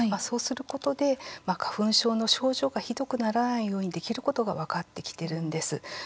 そうすることで、花粉症の症状がひどくならないようにできることが分かってきてるんです。